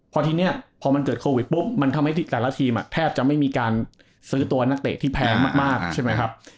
พอทีนี้พอมันเกิดโควิดปุ๊บมันทำให้แต่ละทีมแทบจะไม่มีการซื้อตัวนักเตะที่แพงมากใช่ไหมครับ